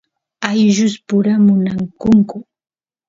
ayllus pura munakunku